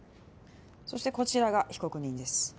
そしてこちらが被告人です